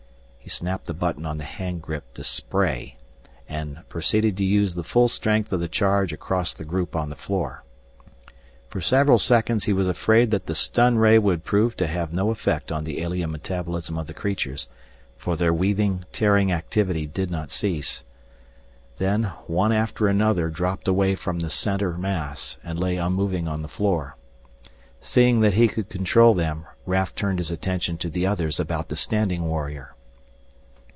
He snapped the button on the hand grip to "spray" and proceeded to use the full strength of the charge across the group on the floor. For several seconds he was afraid that the stun ray would prove to have no effect on the alien metabolism of the creatures, for their weaving, tearing activity did not cease. Then one after another dropped away from the center mass and lay unmoving on the floor. Seeing that he could control them, Raf turned his attention to the others about the standing warrior.